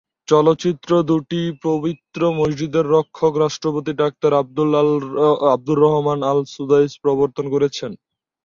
চলচ্চিত্রটি দুটি পবিত্র মসজিদের রক্ষক রাষ্ট্রপতি ডাক্তার আবদুল রহমান আল-সুদাইস প্রবর্তন করেছেন।